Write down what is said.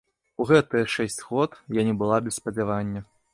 У гэтыя шэсць год я не была без спадзявання.